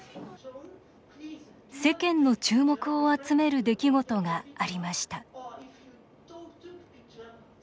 世間の注目を集める出来事がありました